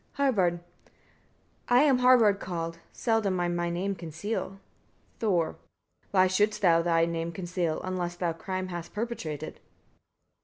Harbard. 10. I am Harbard called; seldom I my name conceal. Thor. 11. Why shouldst thou thy name conceal, unless thou crime hast perpetrated?